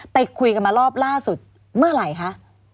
ไปคุยกันมารอบล่าสุดเมื่อไหร่คะ